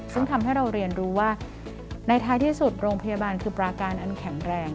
ซึ่งทำให้เราเรียนรู้ว่าในท้ายที่สุดโรงพยาบาลคือปราการอันแข็งแรง